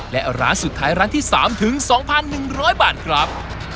และร้านสุดท้ายร้านที่สามถึงสองพันหนึ่งร้อยบาทครับ